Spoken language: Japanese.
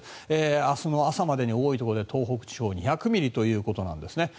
明日の朝までに多いところで東北地方２００ミリということなんです。